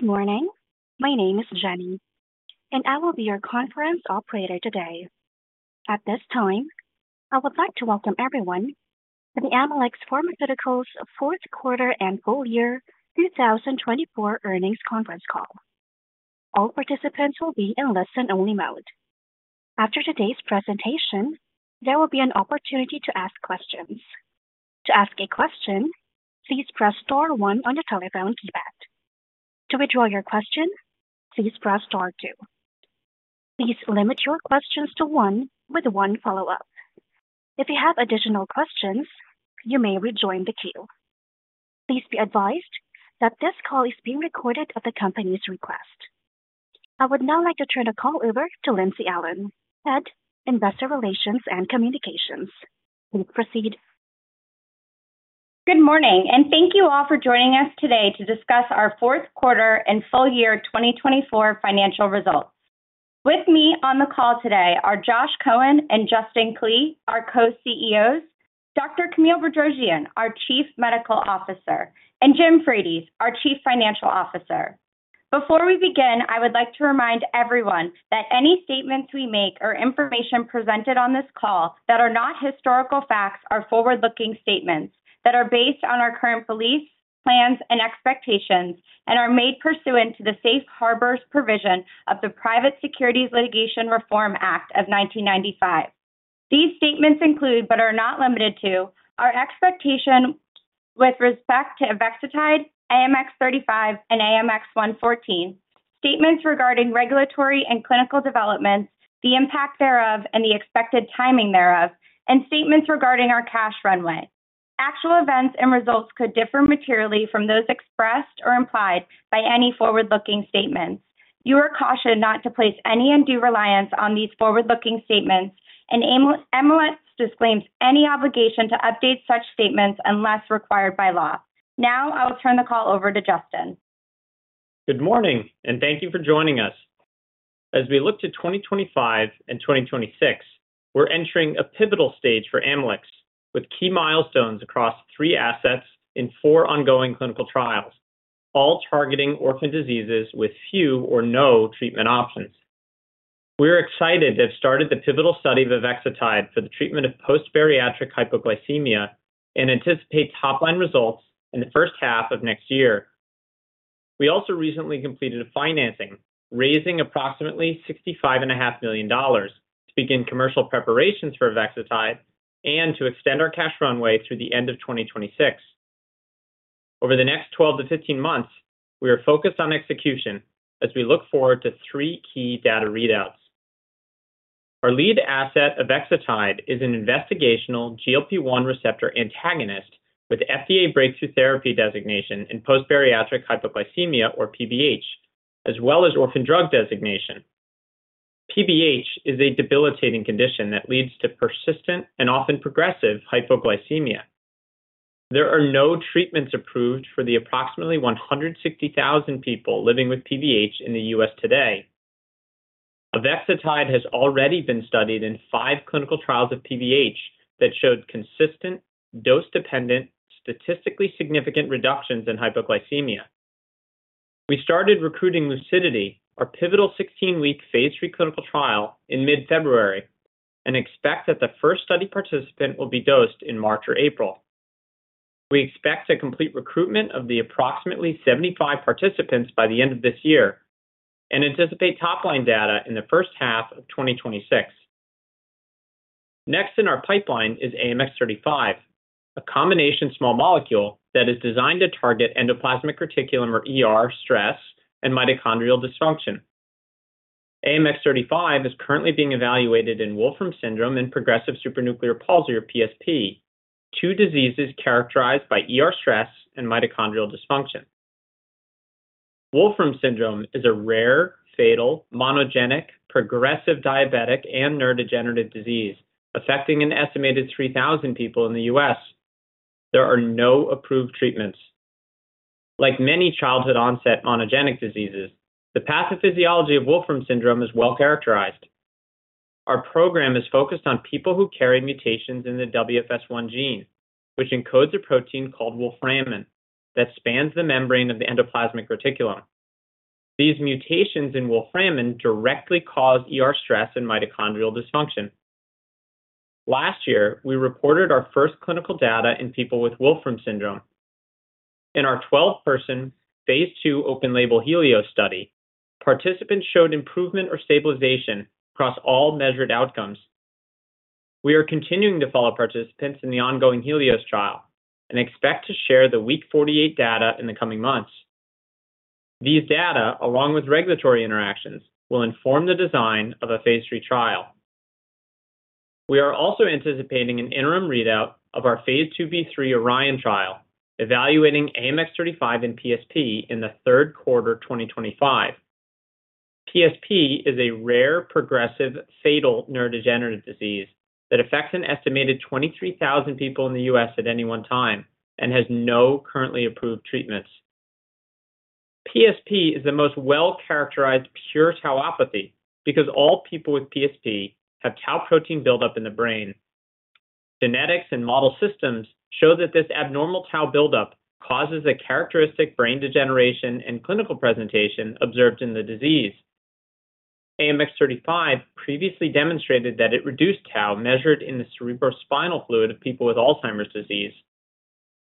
Good morning. My name is Jenny, and I will be your conference operator today. At this time, I would like to welcome everyone to the Amylyx Pharmaceuticals Fourth Quarter and Full Year 2024 Earnings Conference Call. All participants will be in listen-only mode. After today's presentation, there will be an opportunity to ask questions. To ask a question, please press Star 1 on your telephone keypad. To withdraw your question, please press Star 2. Please limit your questions to one with one follow-up. If you have additional questions, you may rejoin the queue. Please be advised that this call is being recorded at the company's request. I would now like to turn the call over to Lindsey Allen, Head, Investor Relations and Communications. Please proceed. Good morning, and thank you all for joining us today to discuss our fourth quarter and full year 2024 financial results. With me on the call today are Joshua Cohen and Justin Klee, our Co-CEOs, Dr. Camille Bedrosian, our Chief Medical Officer, and Jim Frates, our Chief Financial Officer. Before we begin, I would like to remind everyone that any statements we make or information presented on this call that are not historical facts are forward-looking statements that are based on our current beliefs, plans, and expectations, and are made pursuant to the Safe Harbors Provision of the Private Securities Litigation Reform Act of 1995. These statements include, but are not limited to, our expectation with respect to Avexitide, AMX0035, and AMX0114, statements regarding regulatory and clinical developments, the impact thereof, and the expected timing thereof, and statements regarding our cash runway. Actual events and results could differ materially from those expressed or implied by any forward-looking statements. You are cautioned not to place any undue reliance on these forward-looking statements, and Amylyx disclaims any obligation to update such statements unless required by law. Now, I will turn the call over to Justin. Good morning, and thank you for joining us. As we look to 2025 and 2026, we're entering a pivotal stage for Amylyx with key milestones across three assets in four ongoing clinical trials, all targeting orphan diseases with few or no treatment options. We're excited to have started the pivotal study of Avexitide for the treatment of post-bariatric hypoglycemia and anticipate top-line results in the first half of next year. We also recently completed financing, raising approximately $65.5 million to begin commercial preparations for Avexitide and to extend our cash runway through the end of 2026. Over the next 12-15 months, we are focused on execution as we look forward to three key data readouts. Our lead asset, Avexitide, is an investigational GLP-1 receptor antagonist with FDA breakthrough therapy designation in post-bariatric hypoglycemia, or PBH, as well as orphan drug designation. PBH is a debilitating condition that leads to persistent and often progressive hypoglycemia. There are no treatments approved for the approximately 160,000 people living with PBH in the U.S. today. Avexitide has already been studied in five clinical trials of PBH that showed consistent, dose-dependent, statistically significant reductions in hypoglycemia. We started recruiting LUCIDITY , our pivotal 16-week Phase three clinical trial, in mid-February and expect that the first study participant will be dosed in March or April. We expect to complete recruitment of the approximately 75 participants by the end of this year and anticipate top-line data in the first half of 2026. Next in our pipeline is AMX0035, a combination small molecule that is designed to target endoplasmic reticulum, or stress and mitochondrial dysfunction. AMX0035 is currently being evaluated in Wolfram syndrome and progressive supranuclear palsy, or PSP, two diseases characterized by stress and mitochondrial dysfunction. Wolfram syndrome is a rare, fatal, monogenic, progressive diabetic and neurodegenerative disease affecting an estimated 3,000 people in the U.S. There are no approved treatments. Like many childhood-onset monogenic diseases, the pathophysiology of Wolfram syndrome is well characterized. Our program is focused on people who carry mutations in the WFS1 gene, which encodes a protein called wolframin that spans the membrane of the endoplasmic reticulum. These mutations in wolframin directly cause stress and mitochondrial dysfunction. Last year, we reported our first clinical data in people with Wolfram syndrome. In our 12-person Phase II open-label HELIOS study, participants showed improvement or stabilization across all measured outcomes. We are continuing to follow participants in the ongoing HELIOS trial and expect to share the week 48 data in the coming months. These data, along with regulatory interactions, will inform the design of a Phase III trial. We are also anticipating an interim readout of Phase IIb3 ORION trial, evaluating AMX0035 in PSP in the third quarter 2025. PSP is a rare, progressive, fatal neurodegenerative disease that affects an estimated 23,000 people in the U.S. at any one time and has no currently approved treatments. PSP is the most well-characterized pure tauopathy because all people with PSP have tau protein buildup in the brain. Genetics and model systems show that this abnormal tau buildup causes a characteristic brain degeneration and clinical presentation observed in the disease. AMX0035 previously demonstrated that it reduced tau measured in the cerebrospinal fluid of people with Alzheimer's disease.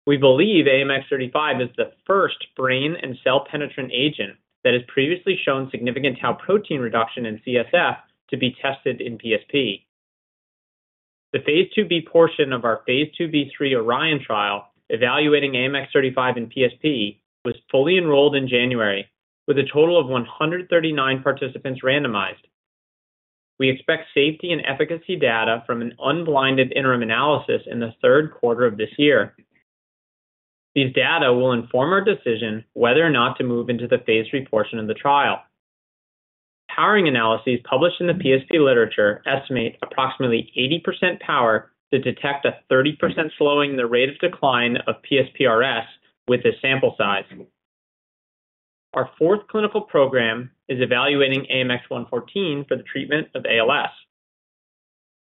We believe AMX0035 is the first brain and cell penetrant agent that has previously shown significant tau protein reduction in CSF to be tested in PSP. The Phase IIb portion of our Phase IIb/III ORION trial, evaluating AMX0035 in PSP, was fully enrolled in January with a total of 139 participants randomized. We expect safety and efficacy data from an unblinded interim analysis in the third quarter of this year. These data will inform our decision whether or not to move into the Phase III portion of the trial. Powering analyses published in the PSP literature estimate approximately 80% power to detect a 30% slowing in the rate of decline of PSPRS with this sample size. Our fourth clinical program is evaluating AMX0114 for the treatment of ALS.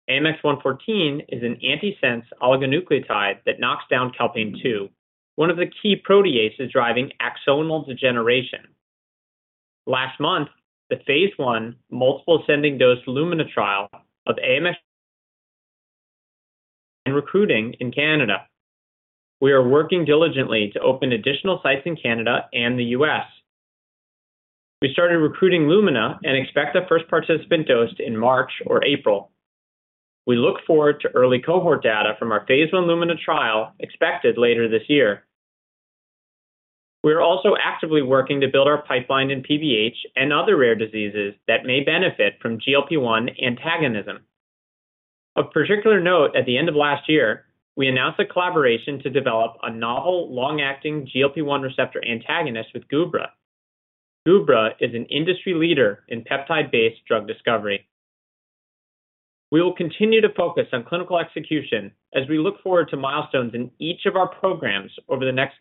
AMX0114 is an antisense oligonucleotide that knocks down calpain 2, one of the key proteases driving axonal degeneration. Last month, the Phase I multiple ascending dose LUMINA trial of AMX0114 was in recruiting in Canada. We are working diligently to open additional sites in Canada and the U.S. We started recruiting LUMINA and expect the first participant dosed in March or April. We look forward to early cohort data from our Phase I LUMINA trial expected later this year. We are also actively working to build our pipeline in PBH and other rare diseases that may benefit from GLP-1 antagonism. Of particular note, at the end of last year, we announced a collaboration to develop a novel long-acting GLP-1 receptor antagonist with Gubra. Gubra is an industry leader in peptide-based drug discovery. We will continue to focus on clinical execution as we look forward to milestones in each of our programs over the next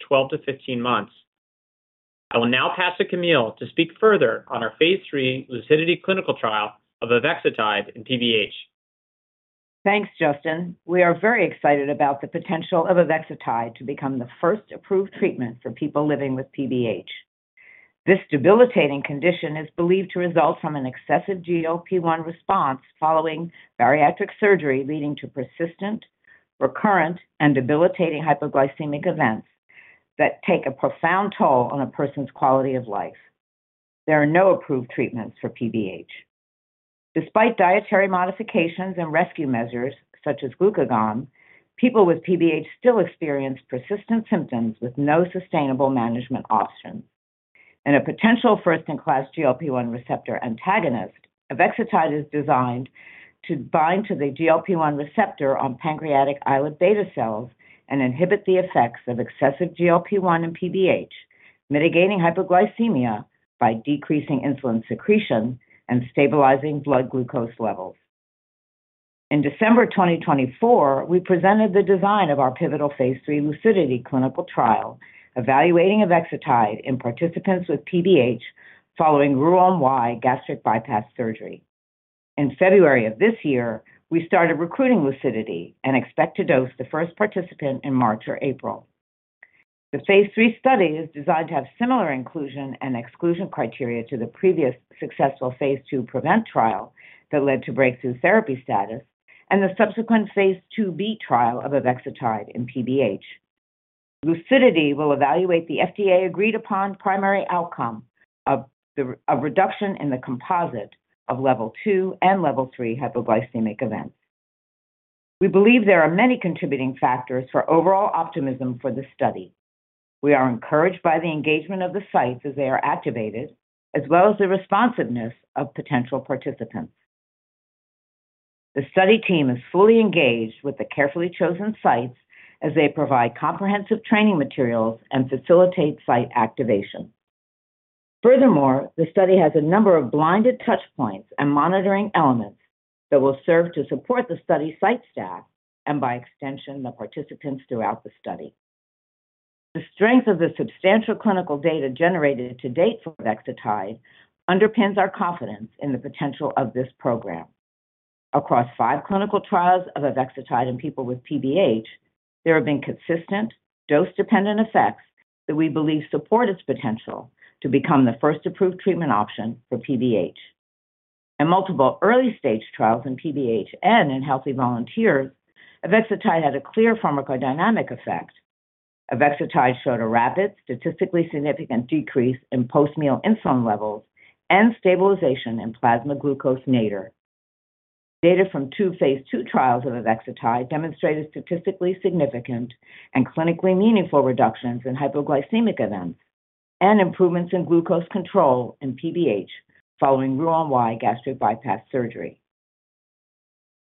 12-15 months. I will now pass to Camille to speak further on our Phase III LUCIDITY clinical trial of Avexitide and PBH. Thanks, Justin. We are very excited about the potential of Avexitide to become the first approved treatment for people living with PBH. This debilitating condition is believed to result from an excessive GLP-1 response following bariatric surgery, leading to persistent, recurrent, and debilitating hypoglycemic events that take a profound toll on a person's quality of life. There are no approved treatments for PBH. Despite dietary modifications and rescue measures such as glucagon, people with PBH still experience persistent symptoms with no sustainable management options. In a potential first-in-class GLP-1 receptor antagonist, Avexitide is designed to bind to the GLP-1 receptor on pancreatic islet beta cells and inhibit the effects of excessive GLP-1 and PBH, mitigating hypoglycemia by decreasing insulin secretion and stabilizing blood glucose levels. In December 2024, we presented the design of our pivotal Phase III LUCIDITY clinical trial, evaluating Avexitide in participants with PBH following Roux-en-Y gastric bypass surgery. In February of this year, we started recruiting LUCIDITY and expect to dose the first participant in March or April. The Phase III study is designed to have similar inclusion and exclusion criteria to the previous successful Phase II Prevent trial that led to breakthrough therapy status and the Phase IIb trial of Avexitide and PBH. LUCIDITY will evaluate the FDA-agreed-upon primary outcome of reduction in the composite of Level 2 and Level 3 hypoglycemic events. We believe there are many contributing factors for overall optimism for the study. We are encouraged by the engagement of the sites as they are activated, as well as the responsiveness of potential participants. The study team is fully engaged with the carefully chosen sites as they provide comprehensive training materials and facilitate site activation. Furthermore, the study has a number of blinded touch points and monitoring elements that will serve to support the study site staff and, by extension, the participants throughout the study. The strength of the substantial clinical data generated to date for Avexitide underpins our confidence in the potential of this program. Across five clinical trials of Avexitide in people with PBH, there have been consistent, dose-dependent effects that we believe support its potential to become the first approved treatment option for PBH. In multiple early-stage trials in PBH and in healthy volunteers, Avexitide had a clear pharmacodynamic effect. Avexitide showed a rapid, statistically significant decrease in post-meal insulin levels and stabilization in plasma glucose nadir. Data from two Phase II trials of Avexitide demonstrated statistically significant and clinically meaningful reductions in hypoglycemic events and improvements in glucose control in PBH following Roux-en-Y gastric bypass surgery.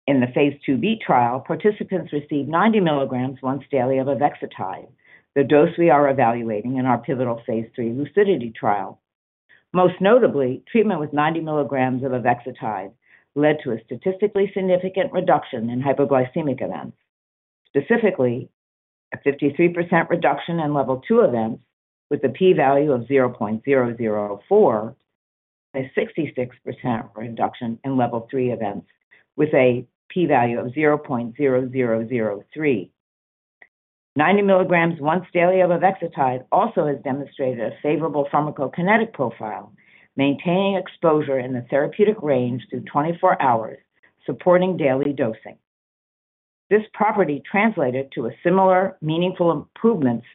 In Phase IIb trial, participants received 90 milligrams once daily of Avexitide, the dose we are evaluating in our pivotal Phase III LUCIDITY trial. Most notably, treatment with 90 milligrams of Avexitide led to a statistically significant reduction in hypoglycemic events, specifically a 53% reduction in Level 2 events with a p-value of 0.004 and a 66% reduction in Level 3 events with a p-value of 0.0003. 90 milligrams once daily of Avexitide also has demonstrated a favorable pharmacokinetic profile, maintaining exposure in the therapeutic range through 24 hours, supporting daily dosing. This property translated to similar meaningful improvements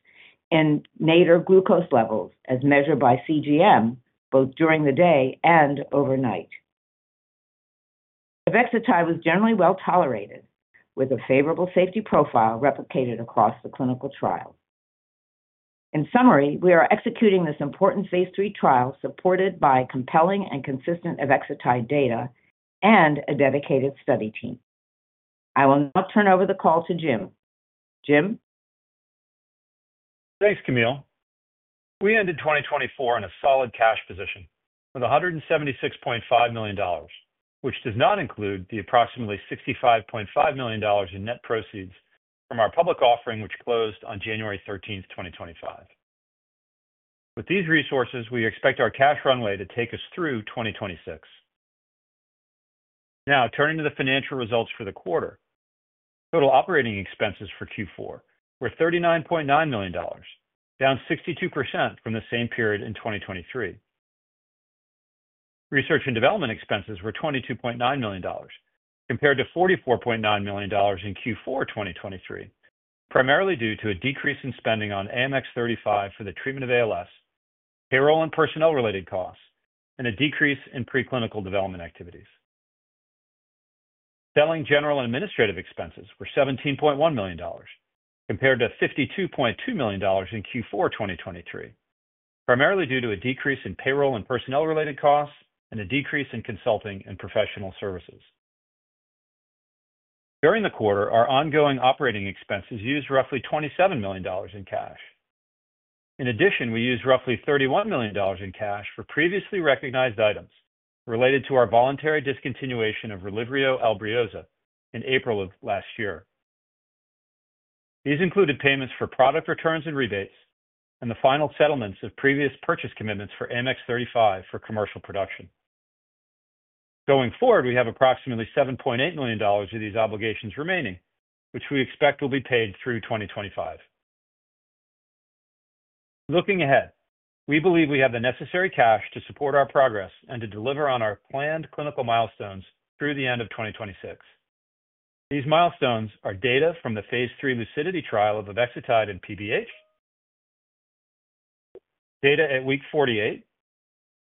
in nadir glucose levels as measured by CGM, both during the day and overnight. Avexitide was generally well tolerated, with a favorable safety profile replicated across the clinical trial. In summary, we are executing this important Phase III trial supported by compelling and consistent Avexitide data and a dedicated study team. I will now turn over the call to Jim. Jim? Thanks, Camille. We ended 2024 in a solid cash position with $176.5 million, which does not include the approximately $65.5 million in net proceeds from our public offering, which closed on January 13, 2025. With these resources, we expect our cash runway to take us through 2026. Now, turning to the financial results for the quarter, total operating expenses for Q4 were $39.9 million, down 62% from the same period in 2023. Research and development expenses were $22.9 million, compared to $44.9 million in Q4 2023, primarily due to a decrease in spending on AMX0035 for the treatment of ALS, payroll and personnel-related costs, and a decrease in preclinical development activities. Selling, general and administrative expenses were $17.1 million, compared to $52.2 million in Q4 2023, primarily due to a decrease in payroll and personnel-related costs and a decrease in consulting and professional services. During the quarter, our ongoing operating expenses used roughly $27 million in cash. In addition, we used roughly $31 million in cash for previously recognized items related to our voluntary discontinuation of RELYVRIO/ALBRIOZA in April of last year. These included payments for product returns and rebates, and the final settlements of previous purchase commitments for AMX0035 for commercial production. Going forward, we have approximately $7.8 million of these obligations remaining, which we expect will be paid through 2025. Looking ahead, we believe we have the necessary cash to support our progress and to deliver on our planned clinical milestones through the end of 2026. These milestones are data from the Phase III LUCIDITY trial of Avexitide in PBH, data at week 48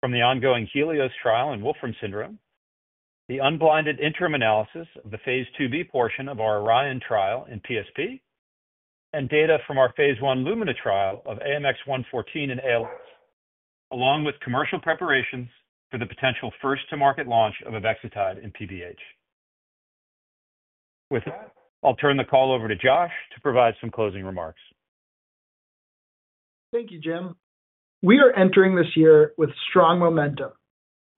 from the ongoing HELIOS trial in Wolfram syndrome, the unblinded interim analysis of Phase IIb portion of our ORION trial in PSP, and data from our Phase I LUMINA trial of AMX0114 in ALS, along with commercial preparations for the potential first-to-market launch of Avexitide in PBH. With that, I'll turn the call over to Joshua to provide some closing remarks. Thank you, Jim. We are entering this year with strong momentum.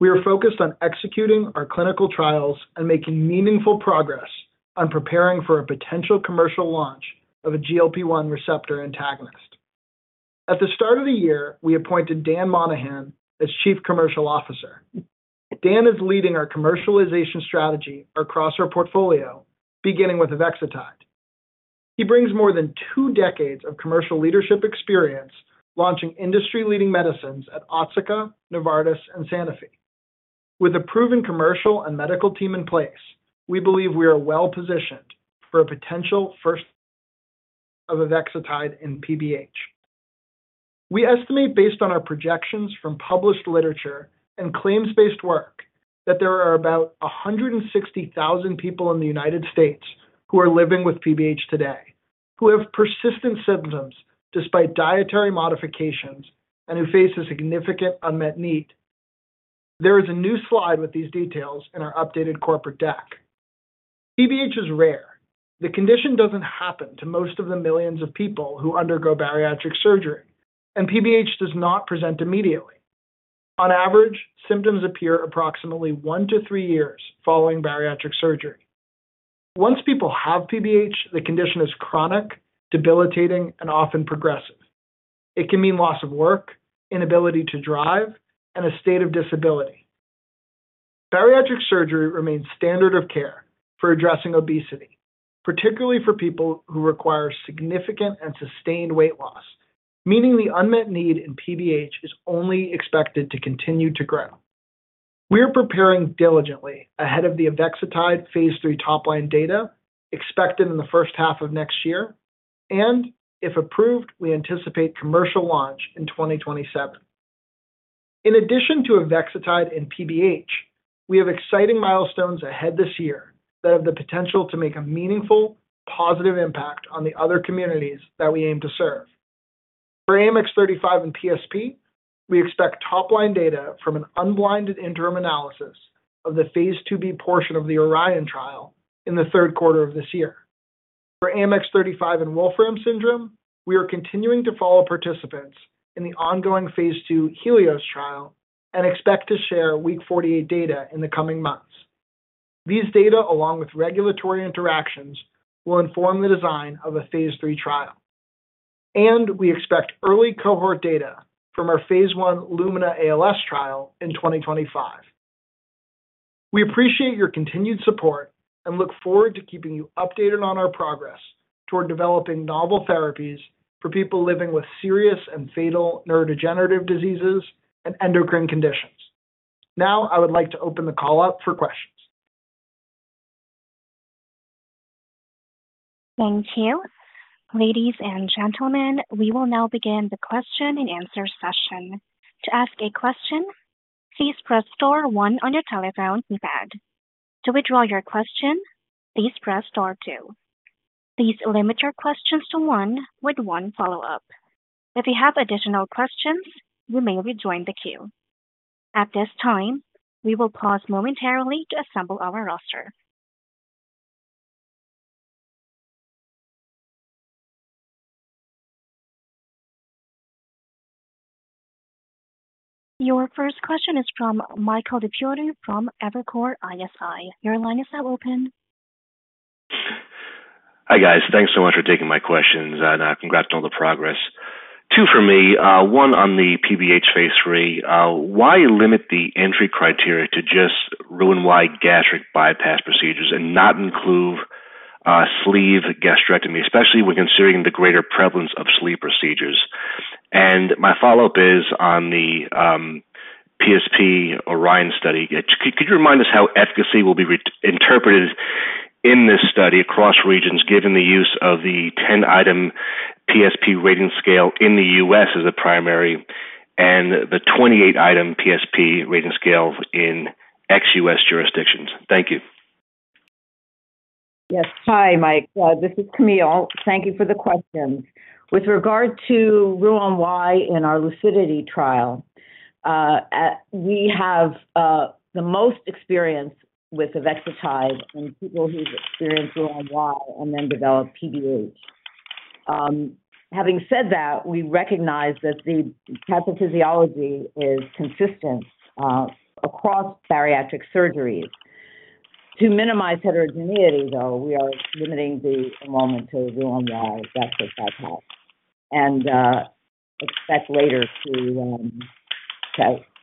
We are focused on executing our clinical trials and making meaningful progress on preparing for a potential commercial launch of a GLP-1 receptor antagonist. At the start of the year, we appointed Dan Monahan as Chief Commercial Officer. Dan is leading our commercialization strategy across our portfolio, beginning with Avexitide. He brings more than two decades of commercial leadership experience launching industry-leading medicines at Otsuka, Novartis, and Sanofi. With a proven commercial and medical team in place, we believe we are well-positioned for a potential first of Avexitide and PBH. We estimate, based on our projections from published literature and claims-based work, that there are about 160,000 people in the United States who are living with PBH today, who have persistent symptoms despite dietary modifications, and who face a significant unmet need. There is a new slide with these details in our updated corporate deck. PBH is rare. The condition does not happen to most of the millions of people who undergo bariatric surgery, and PBH does not present immediately. On average, symptoms appear approximately one to three years following bariatric surgery. Once people have PBH, the condition is chronic, debilitating, and often progressive. It can mean loss of work, inability to drive, and a state of disability. Bariatric surgery remains standard of care for addressing obesity, particularly for people who require significant and sustained weight loss, meaning the unmet need in PBH is only expected to continue to grow. We are preparing diligently ahead of the Avexitide Phase III top-line data expected in the first half of next year, and if approved, we anticipate commercial launch in 2027. In addition to Avexitide and PBH, we have exciting milestones ahead this year that have the potential to make a meaningful, positive impact on the other communities that we aim to serve. For AMX0035 and PSP, we expect top-line data from an unblinded interim analysis of Phase IIb portion of the ORION trial in the third quarter of this year. For AMX0035 and Wolfram syndrome, we are continuing to follow participants in the ongoing Phase II HELIOS trial and expect to share week 48 data in the coming months. These data, along with regulatory interactions, will inform the design of a Phase III trial. We expect early cohort data from our Phase I LUMINA ALS trial in 2025. We appreciate your continued support and look forward to keeping you updated on our progress toward developing novel therapies for people living with serious and fatal neurodegenerative diseases and endocrine conditions. Now, I would like to open the call up for questions. Thank you. Ladies and gentlemen, we will now begin the question-and-answer session. To ask a question, please press Star 1 on your telephone keypad. To withdraw your question, please press Star 2. Please limit your questions to one with one follow-up. If you have additional questions, you may rejoin the queue. At this time, we will pause momentarily to assemble our roster. Your first question is from Michael DiFiore from Evercore ISI. Your line is now open. Hi, guys. Thanks so much for taking my questions. Congrats on all the progress. Two for me. One on the PBH Phase III. Why limit the entry criteria to just Roux-en-Y gastric bypass procedures and not include sleeve gastrectomy, especially when considering the greater prevalence of sleeve procedures? My follow-up is on the PSP ORION study. Could you remind us how efficacy will be interpreted in this study across regions, given the use of the 10-item PSP rating scale in the U.S. as a primary and the 28-item PSP rating scale in ex-U.S. jurisdictions? Thank you. Yes. Hi, Mike. This is Camille. Thank you for the questions. With regard to Roux-en-Y in our LUCIDITY trial, we have the most experience with Avexitide in people who've experienced Roux-en-Y and then developed PBH. Having said that, we recognize that the pathophysiology is consistent across bariatric surgeries. To minimize heterogeneity, though, we are limiting the enrollment to Roux-en-Y gastric bypass and expect later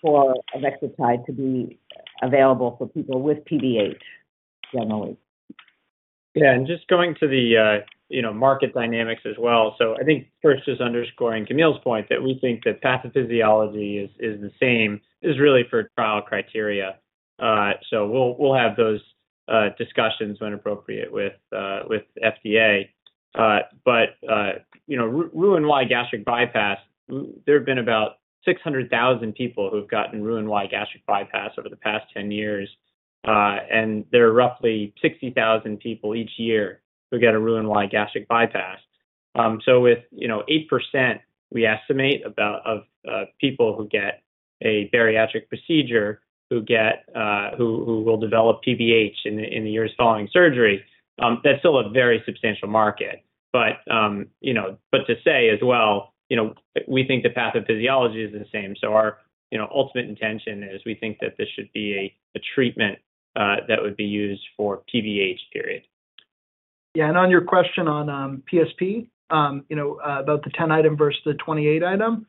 for Avexitide to be available for people with PBH generally. Yeah. Just going to the market dynamics as well. I think first, just underscoring Camille's point, that we think that pathophysiology is the same is really for trial criteria. We'll have those discussions when appropriate with FDA. Roux-en-Y gastric bypass, there have been about 600,000 people who've gotten Roux-en-Y gastric bypass over the past 10 years. There are roughly 60,000 people each year who get a Roux-en-Y gastric bypass. With 8%, we estimate, of people who get a bariatric procedure who will develop PBH in the years following surgery, that's still a very substantial market. To say as well, we think the pathophysiology is the same. Our ultimate intention is we think that this should be a treatment that would be used for PBH, period. Yeah. On your question on PSP, about the 10-item versus the 28-item,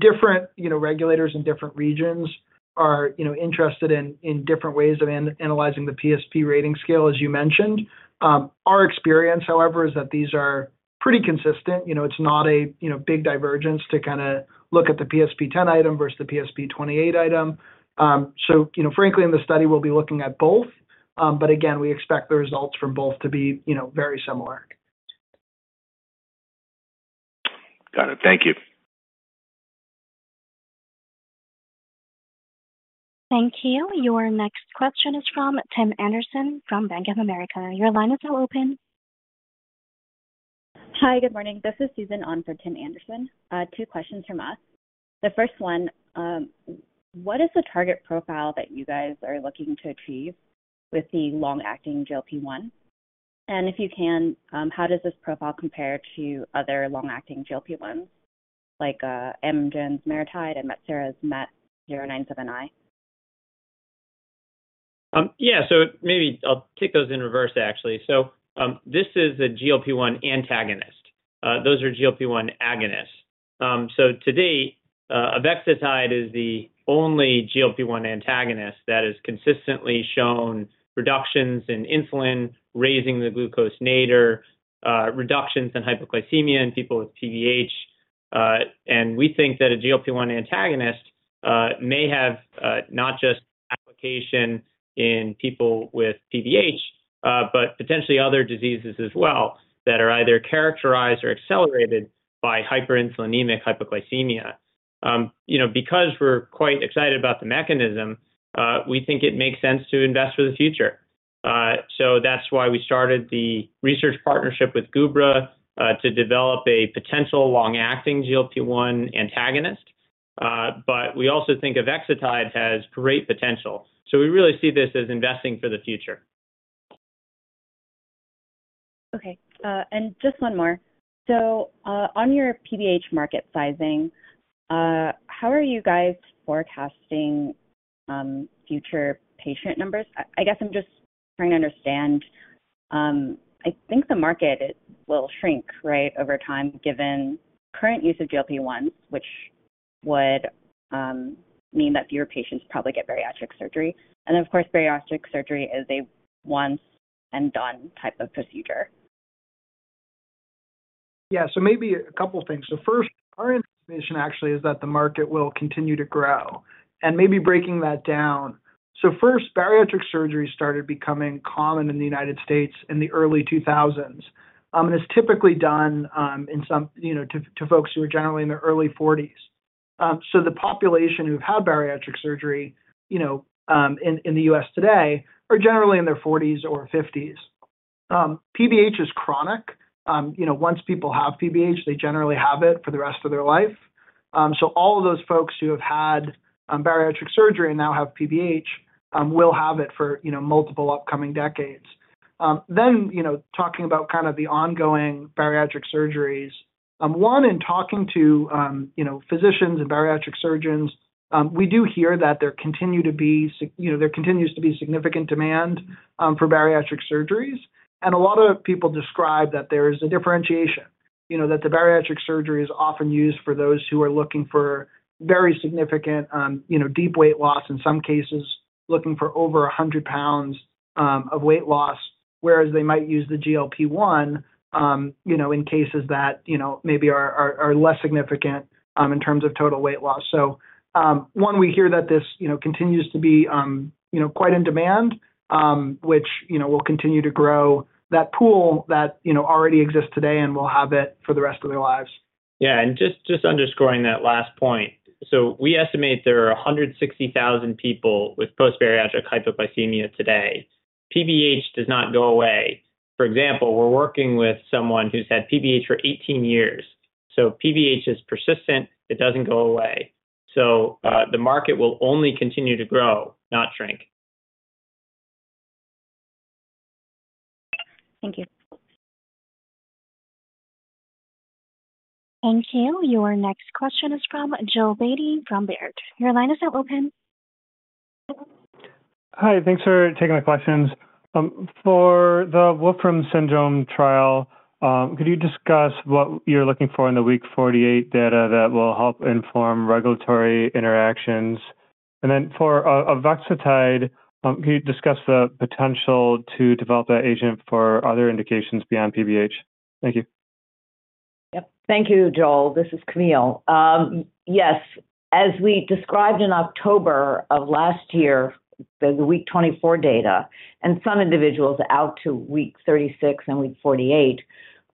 different regulators in different regions are interested in different ways of analyzing the PSP rating scale, as you mentioned. Our experience, however, is that these are pretty consistent. It's not a big divergence to kind of look at the PSP 10-item versus the PSP 28-item. Frankly, in the study, we'll be looking at both. Again, we expect the results from both to be very similar. Got it. Thank you. Thank you. Your next question is from Tim Anderson from Bank of America. Your line is now open. Hi, good morning. This is Susan Ong for Tim Anderson. Two questions from us. The first one, what is the target profile that you guys are looking to achieve with the long-acting GLP-1? And if you can, how does this profile compare to other long-acting GLP-1s, like Amgen's MariTide and Metcera's MET 097i? Yeah. Maybe I'll take those in reverse, actually. This is a GLP-1 antagonist. Those are GLP-1 agonists. Today, Avexitide is the only GLP-1 antagonist that has consistently shown reductions in insulin, raising the glucose nadir, reductions in hypoglycemia in people with PBH. We think that a GLP-1 antagonist may have not just application in people with PBH, but potentially other diseases as well that are either characterized or accelerated by hyperinsulinemic hypoglycemia. Because we're quite excited about the mechanism, we think it makes sense to invest for the future. That's why we started the research partnership with Gubra to develop a potential long-acting GLP-1 antagonist. We also think Avexitide has great potential. We really see this as investing for the future. Okay. And just one more. On your PBH market sizing, how are you guys forecasting future patient numbers? I guess I'm just trying to understand. I think the market will shrink, right, over time, given current use of GLP-1s, which would mean that fewer patients probably get bariatric surgery. Of course, bariatric surgery is a once-and-done type of procedure. Yeah. Maybe a couple of things. First, our anticipation, actually, is that the market will continue to grow. Maybe breaking that down. First, bariatric surgery started becoming common in the United States in the early 2000s. It's typically done to folks who are generally in their early 40s. The population who've had bariatric surgery in the U.S. today are generally in their 40s or 50s. PBH is chronic. Once people have PBH, they generally have it for the rest of their life. All of those folks who have had bariatric surgery and now have PBH will have it for multiple upcoming decades. Talking about kind of the ongoing bariatric surgeries, in talking to physicians and bariatric surgeons, we do hear that there continues to be significant demand for bariatric surgeries. A lot of people describe that there is a differentiation, that the bariatric surgery is often used for those who are looking for very significant deep weight loss, in some cases looking for over 100 pounds of weight loss, whereas they might use the GLP-1 in cases that maybe are less significant in terms of total weight loss. One, we hear that this continues to be quite in demand, which will continue to grow that pool that already exists today and will have it for the rest of their lives. Yeah. Just underscoring that last point. We estimate there are 160,000 people with post-bariatric hypoglycemia today. PBH does not go away. For example, we're working with someone who's had PBH for 18 years. PBH is persistent. It doesn't go away. The market will only continue to grow, not shrink. Thank you. Thank you. Your next question is from Joel Bailey from Baird. Your line is now open. Hi. Thanks for taking the questions. For the Wolfram syndrome trial, could you discuss what you're looking for in the week 48 data that will help inform regulatory interactions? For Avexitide, could you discuss the potential to develop that agent for other indications beyond PBH? Thank you. Yep. Thank you, Joel. This is Camille. Yes. As we described in October of last year, the week 24 data and some individuals out to week 36 and week 48,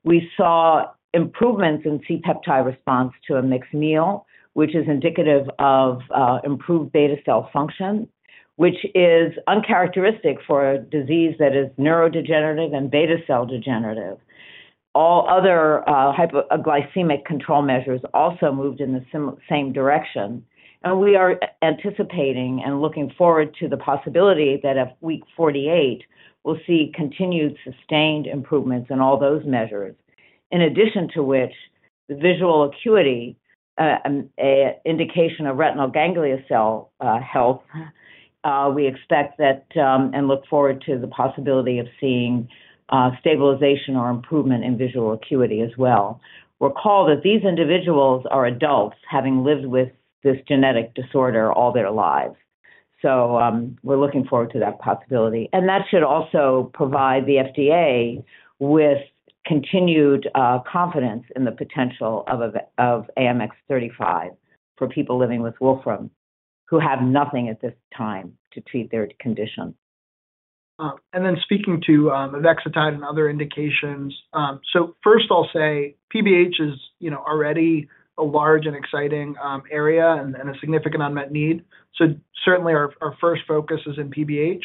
we saw improvements in C-peptide response to a mixed meal, which is indicative of improved beta cell function, which is uncharacteristic for a disease that is neurodegenerative and beta cell degenerative. All other hypoglycemic control measures also moved in the same direction. We are anticipating and looking forward to the possibility that at week 48, we'll see continued sustained improvements in all those measures, in addition to which the visual acuity, indication of retinal ganglia cell health, we expect that and look forward to the possibility of seeing stabilization or improvement in visual acuity as well. Recall that these individuals are adults having lived with this genetic disorder all their lives. We're looking forward to that possibility. That should also provide the FDA with continued confidence in the potential of AMX0035 for people living with Wolfram who have nothing at this time to treat their condition. And then speaking to Avexitide and other indications, first, I'll say PBH is already a large and exciting area and a significant unmet need. Certainly, our first focus is in PBH.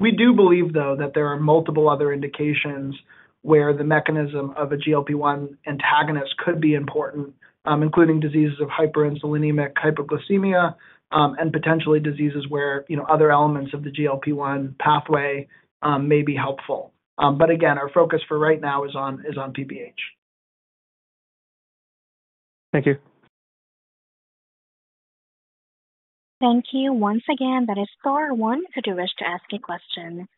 We do believe, though, that there are multiple other indications where the mechanism of a GLP-1 antagonist could be important, including diseases of hyperinsulinemic hypoglycemia and potentially diseases where other elements of the GLP-1 pathway may be helpful. Again, our focus for right now is on PBH. Thank you. Thank you once again. That is Star 1 to ask a question.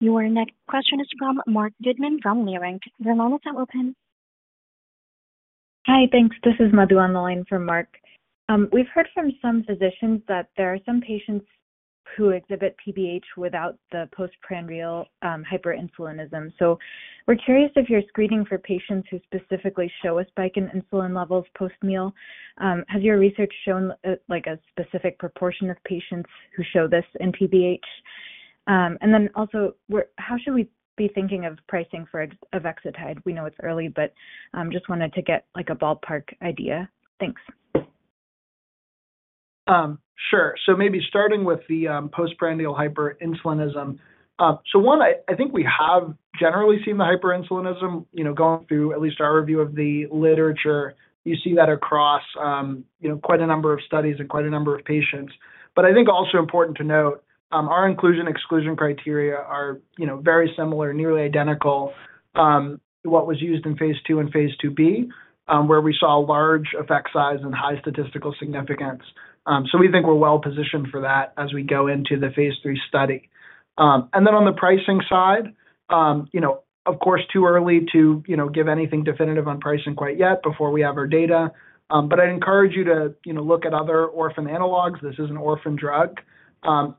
Your next question is from Marc Goodman from Leerink. Your line is now open. Hi. Thanks. This is Madhu on the line from Mark. We've heard from some physicians that there are some patients who exhibit PBH without the postprandial hyperinsulinism. We're curious if you're screening for patients who specifically show a spike in insulin levels post-meal. Has your research shown a specific proportion of patients who show this in PBH? Also, how should we be thinking of pricing for Avexitide? We know it's early, but just wanted to get a ballpark idea. Thanks. Sure. Maybe starting with the postprandial hyperinsulinism. One, I think we have generally seen the hyperinsulinism going through at least our review of the literature. You see that across quite a number of studies and quite a number of patients. I think also important to note, our inclusion/exclusion criteria are very similar, nearly identical to what was used in Phase II Phase IIb, where we saw large effect size and high statistical significance. We think we're well-positioned for that as we go into the Phase III study. On the pricing side, of course, too early to give anything definitive on pricing quite yet before we have our data. I'd encourage you to look at other orphan analogs. This is an orphan drug.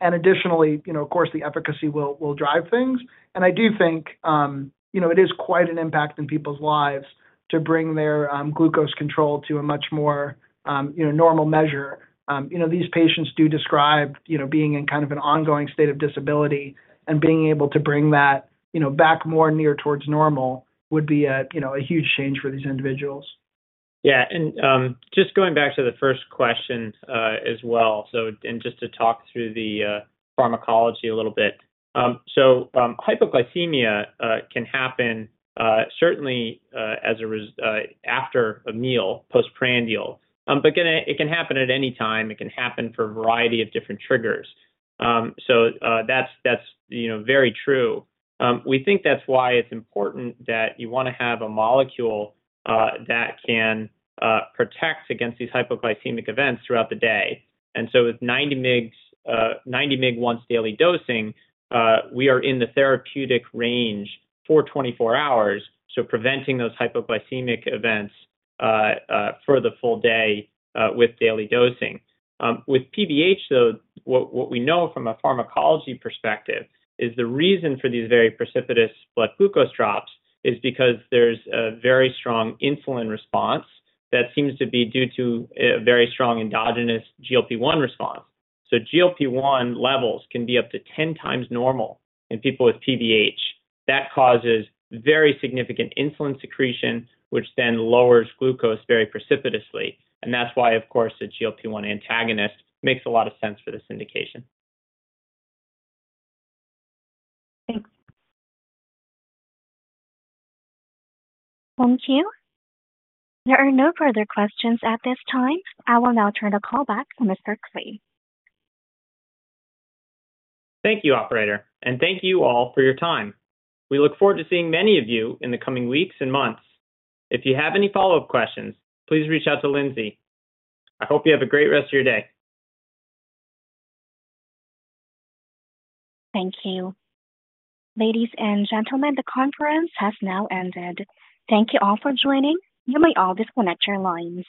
Additionally, of course, the efficacy will drive things. I do think it is quite an impact in people's lives to bring their glucose control to a much more normal measure. These patients do describe being in kind of an ongoing state of disability. Being able to bring that back more near towards normal would be a huge change for these individuals. Yeah. Just going back to the first question as well, and just to talk through the pharmacology a little bit. Hypoglycemia can happen certainly after a meal, postprandial. It can happen at any time. It can happen for a variety of different triggers. That is very true. We think that is why it is important that you want to have a molecule that can protect against these hypoglycemic events throughout the day. With 90 mg once-daily dosing, we are in the therapeutic range for 24 hours. Preventing those hypoglycemic events for the full day with daily dosing. With PBH, though, what we know from a pharmacology perspective is the reason for these very precipitous blood glucose drops is because there is a very strong insulin response that seems to be due to a very strong endogenous GLP-1 response. GLP-1 levels can be up to 10 times normal in people with PBH. That causes very significant insulin secretion, which then lowers glucose very precipitously. That is why, of course, a GLP-1 antagonist makes a lot of sense for this indication. Thanks. Thank you. There are no further questions at this time. I will now turn the call back to Mr. Klee. Thank you, operator. Thank you all for your time. We look forward to seeing many of you in the coming weeks and months. If you have any follow-up questions, please reach out to Lindsey. I hope you have a great rest of your day. Thank you. Ladies and gentlemen, the conference has now ended. Thank you all for joining. You may all disconnect your lines.